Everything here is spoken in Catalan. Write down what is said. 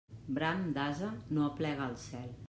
Bram d'ase no aplega al cel.